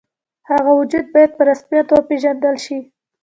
د هغه وجود باید په رسمیت وپېژندل شي.